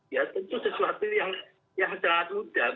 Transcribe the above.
ya tentu sesuatu yang sangat mudah